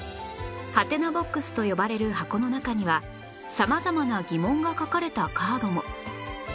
ハテナボックスと呼ばれる箱の中には様々な疑問が書かれたカードも